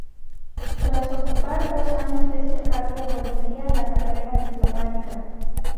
Tras ocupar dos años este cargo volvería a la carrera diplomática.